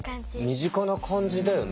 身近な感じだよね。